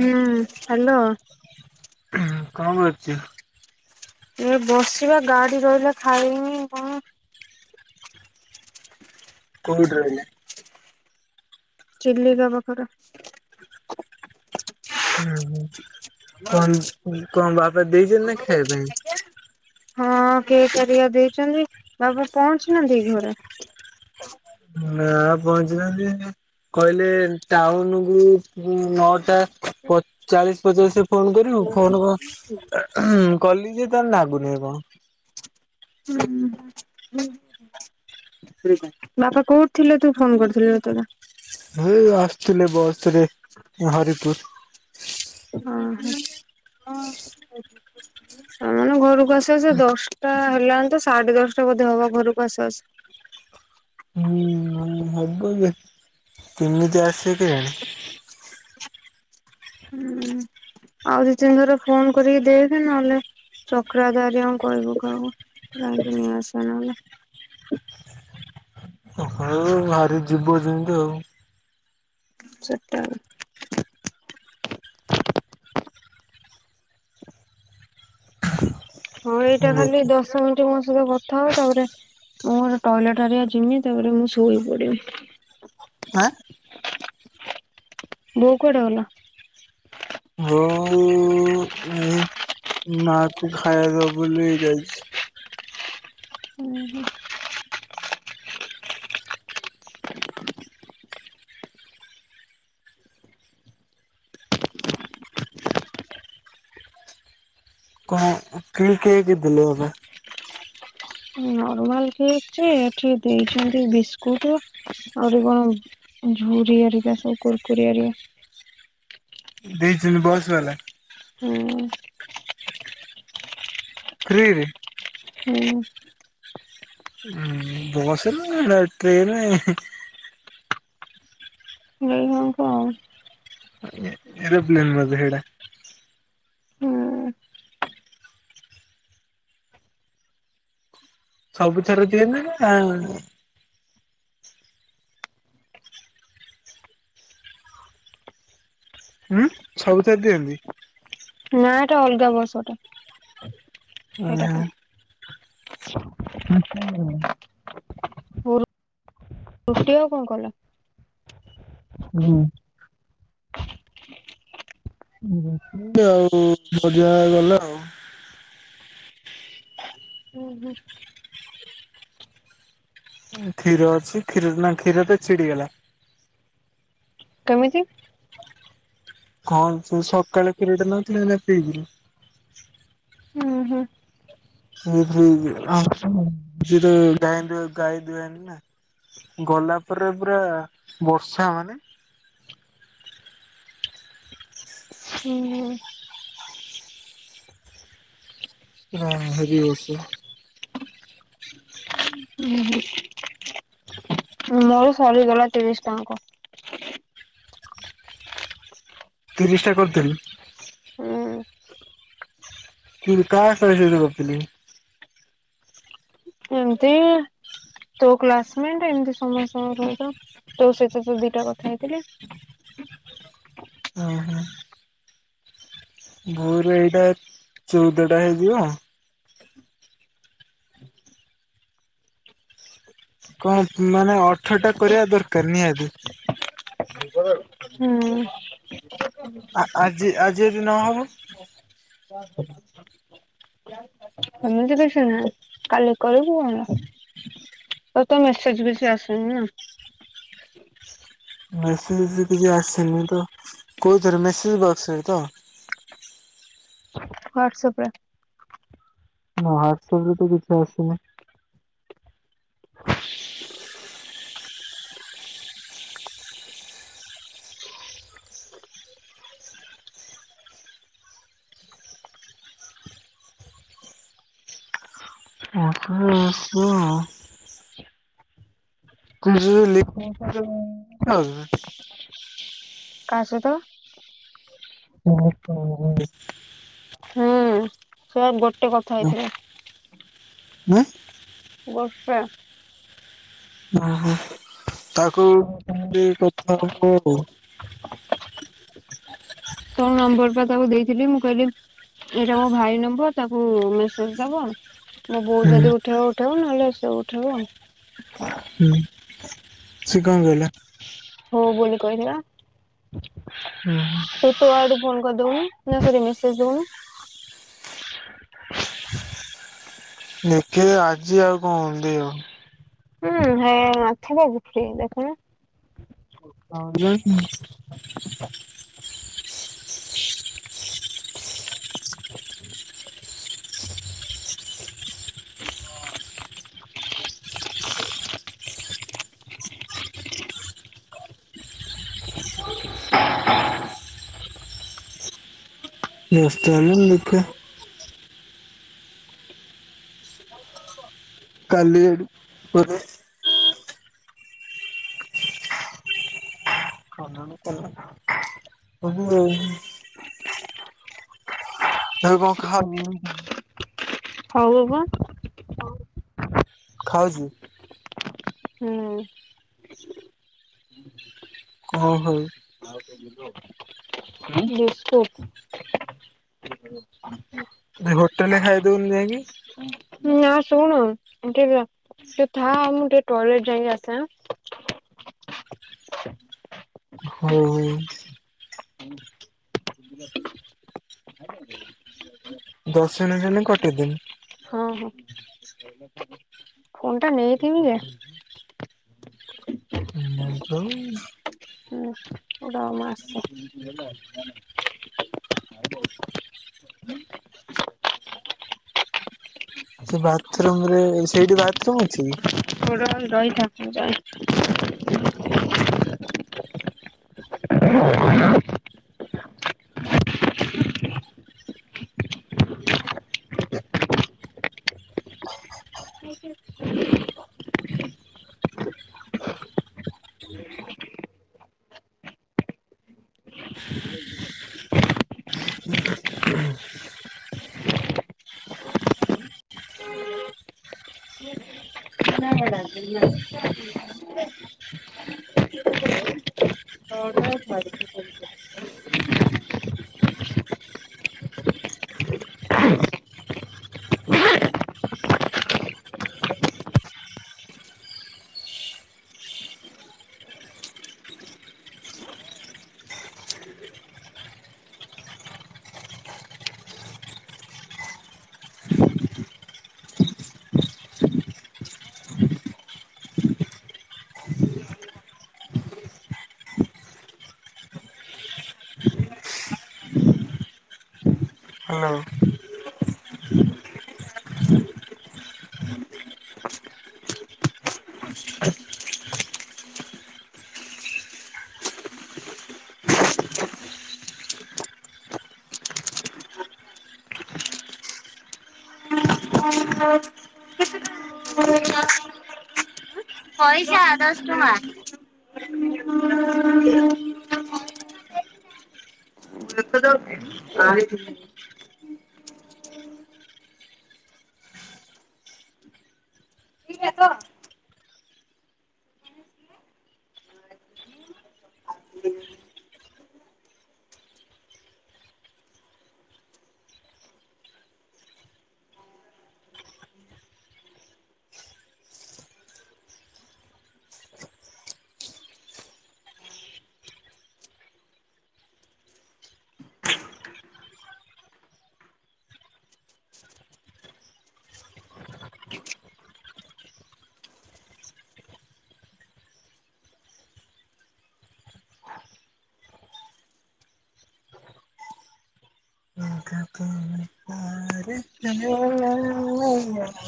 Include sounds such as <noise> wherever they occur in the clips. ହୁଁ ହ୍ୟାଲୋ। ହୁଁ କଅଁ କରୁଛୁ। ଏ ବସିବା ଗାଡି ରହିଲା ଖାଇମି କଣ। କୋଉଠି ରଇଲେ? ଚିଲିକା ପାଖରେ। ହୁଁ ହଁ କଣ କଣ ବାପା ଦେଇଛନ୍ତି ନା ଖାଇବା ପାଇଁ। ହଁ କେକ୍ ହେରି ଦେଇଚନ୍ତି ତାପରେପହଞ୍ଚିନାହାନ୍ତି ଏ ଘରେ। ନା ପହଞ୍ଚିଥାନ୍ତି କଇଲେ ଟାଉନକୁ ନଅଟା ଚାଳିଶ ପଚାଶ ଫୋନ କରିବୁ ଫୋନ କ କଲି ଯେ ତାର ଲାଗୁନି କଣ। ହୁଁ ହଁ। ବାପା କୋଉଠି ଥିଲେ ତୁ ଫୋନ କରିଥିଲୁ ସେତେବେଳେ। ଏଇ ଆସିଥିଲେ ବସ ରେ ହରିପୁର। ହ ହ ଆ ଘରୁ। ବସି ବସି ଦଶଟା ହେଲାଣି ତ ସାଢେ ଦଶଟା ବ ହବ ଘରକୁ ଆସୁ ଆସୁ। ହୁଁ ହବ ଯେ କେମିତି ଆସିବ କେଜାଣି। ହୁଁ ଆଉ ଦୁଇ ତିନିଥର ଫୋନ କରିକି ଦେଖେ ନହେଲେ ନାଇଁ ଚକ୍ରାଧାରି ଅଙ୍କଲ କୁ କହ ଯାଇକି ନେଇ ଆସିବେ ନହଲେ। ଭାରି ଯିବୁ ଯେମିତି ଆଉ। ସତ୍ୟ। ହଁ ଏଇଟା ଖାଲି ଦେଖି ଦଶ ମିନିଟ୍ ମୋ ସହିତ କଥା ହବୁ ତାପରେ ମୁଁ ମୋର ଟଏଲେଟ ହେରିକା ଯିମି ତା ପରେ ମୁଁ ଶୋଇ ପଡିମି। ହା। ବୋଉ କୁଆଡେ ଗଲା? ବଉ ଏ ମା କୁ ଖାଇବା ଦବ ବୋଲି ଯାଇଛି। ହୁଁ ହୁଁ। କ୍ରିମ କେକ୍ ଦେଲେ ବୋଧେ। <unintelligible> ଭଲ କେକ ଯେ ଏଠି ଦେଇଛନ୍ତି ବିସ୍କୁଟ ଆହୁରି କଣ ଝୁୁର ଆରିକା ସବୁ କୁୁରକୁରିଆ ର। ଦେଇଛନ୍ତି ବସ୍ ବାଲା? ହଁ। ଫ୍ରୀ ରେ। ହୁଁ। ହଁ ବସରେ ନା ଟ୍ରେନ୍ ରେ। <unintelligible> ଏରୋପ୍ଲେନ୍ ବୋଧେ ସେଟା। ହୁଁ ସବୁ ଥର ଦିଏ ନା? ହୁଁ ସବୁଥରେ ଦିଅନ୍ତି? ନା ଏଟା ଅଲଗା ବସ୍ ଟା। ଓହୋ। <unintelligible> ରୁ ରୁଟି ଆଉ କଣ କଲା? ହଁ। ଆଉ ଭଜା କଲା ଆଉ। ଓୁଁ ହୁଁ। କ୍ଷୀର ଅଛି କ୍ଷୀର ନା କ୍ଷୀର ତ ଛିଡ଼ିଗଲା। କେମିତି? କଣ ସେ ସକାଳେ କ୍ଷୀରଟା ନଥିଲା ନା ପିଇଲି। ହୁଁ ହୁଁ। <unintelligible> ଗଲା ପରେ ପୁରା ବର୍ଷା ମାନେ। ହୁଁଁ। ପୁରା ହେବି ବର୍ଷା। ମୋର ସରିଗଲା ତିରିଶ ଟା ଯାକ। ତିରିଶ ଟା କରିଦେଲୁ? ହୁଁ କି କାହା କାହା ସହିତ ଗପିଲୁ? ଏମତି ତୋ କ୍ଲାସମେଟ, ଏମତି ସମସ୍ତଙ୍କ ସହିତ, ତୋ ସହିତ ଦିଟା କଥା ହେଇଥିଲି। ଓ ହୋ। ମୋର ଏଇଟା ଚଉଦଟା ହେଇଯିବ। କଣ ମାନେ ଅଠରଟା କରିବା ଦରକାର ନିହାତି। ହୁଁ। ଆ-ଆଜି-ଆଜି ଯଦି ନହବ? <unintelligible> ଏମିତି କିଛି ନାହିଁ କାଲି କରିବୁ ହେଲା। ତତେ ମେସେଜ କିଛି ଆସିନି ନା? ମେସେଜ କିଛି ଆସିନି ତ କୋଉଥିରେ ମେସେଜ ବକ୍ସ ରେ ତ? ୱାଟସପ ରେ। ମୋ ୱାଟସପରେ ତ କିଛି ଆସିନି। <unintelligible> ତିରିଶ ଯାଏଁ <unintelligible> କାହା ସହିତ? <unintelligible> ହୁଁ ସେ ଆଉ ଗୋଟେ କଥା ହେଇଥିଲା। ହୁଁ। ଗୋଟେ ଓହୋ ତାକୁ ଏମତି କଥା ହବ ଆଉ। ତୋ ନମ୍ବର ପା ତାକୁ ଦେଇଥିଲି ମୁଁ କହିଲି ଏଇଟା ମୋ ଭାଇ ନମ୍ବର ତାକୁ ମେସେଜ ଦବ। ମୋ ବୋଉ ହୁଁ ଯଦି ଉଠେଇବ ଉଠେଇବ, ନହେଲେ ସେ ଉଠେଇବ ଆଉ। ହୁଁ ସେ କଣ କହିଲା? ହଉ ବୋଲି କହିିଥିଲା। ହୁଁ, ହୁଁ। ତୋ ଆଡୁ ଫୋନ କରିଦଉନୁ ନା ସରି ମେସେଜ ଦଉନୁ। ଦେଖେ ଆଜି ଆଉ କଣ ଦେଇ ହବ। ହୁଁ ହେ <unintelligible> ଦେଖୁନ। ହଁ <unintelligible> ବ୍ୟସ୍ତ <unintelligible> ମୁଁ ଦେଖିଆ। କାଲି କୁଆଡେ <inaudible> <inaudible> ହଉ ହବପା। ଖାଉଛି ହୁଁ। କଣ ଖାଉଛୁ। <inaudible> <unintelligible> ବିସ୍କୁଟ୍। <inaudible> ଏ ହୋଟେଲରେ ଖାଇ ଦଉନୁ ଯାଇକି? ନା ଶୁଣ ତୁ ଟିଏ ଥାଆ, ମୁଁ ଟିକେ ଟଏଲେଟ ଯାଇକି ଆସେ? ହଉ। ଦଶ ମିନିଟ୍ ହେଲେ କଟେଇ ଦେବି? ହଁ ହଁ। <inaudible> ଫୋନ୍ ଟା ନେଇକି ବି ଯା। <unintelligible> ହୁଁ। ତୁ ରହ ମୁଁ ଆସେ। ସେ ବାଥରୁମରେ ସେଇଠି ବାଥରୁମ ଅଛି? ତୁ ନହେଲେ ରହିଥା ମୁ ଯାଏଁ। <inaudible> ହ୍ୟାଲୋ। <unintelligible> ପଇସା ଦଶ ଟଙ୍କା। <unintelligible> <unintelligible> <unintelligible>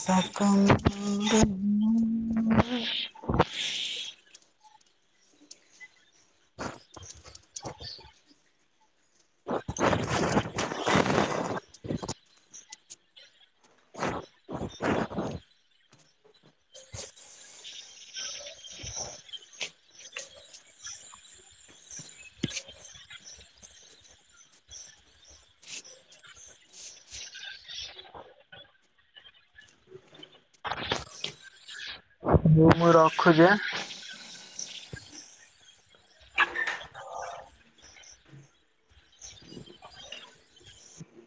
ସାକାମ୍ <unintelligible> ମୁଁ ମୁଁ ରଖୁଛି ଆଁ।